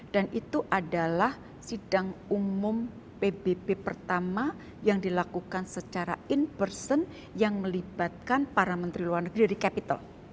dan itu adalah sidang umum pbb pertama yang dilakukan secara in person yang melibatkan para menteri luar negeri dari capital